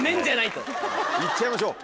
行っちゃいましょう。